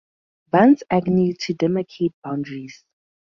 Vans Agnew to demarcate boundaries.